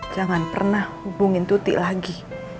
jangan pernah hubungin tuti lagi